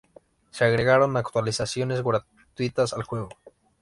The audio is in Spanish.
Se agregaron actualizaciones gratuitas al juego.